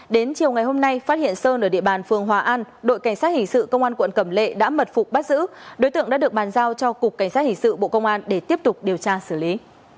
đến chiều ngày hôm nay phát hiện sơn ở địa bàn phường hòa an đội cảnh sát hình sự công an quận cẩm lệ đã mật phục bắt giữ đối tượng đã được bàn giao cho cục cảnh sát hình sự bộ công an để tiếp tục điều tra xử lý